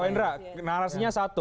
kawendra narasinya satu